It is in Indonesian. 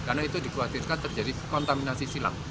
karena itu dikhawatirkan terjadi kontaminasi silam